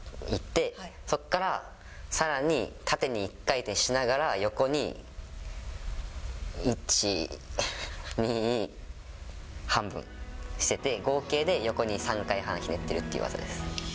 そこからさらに縦に１回転しながら、横に１、２、半分してて、合計で横に３回半ひねってるっていう技です。